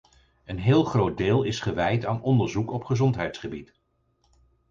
Een heel groot deel is gewijd aan onderzoek op gezondheidsgebied.